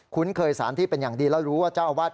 เคยสารที่เป็นอย่างดีแล้วรู้ว่าเจ้าอาวาส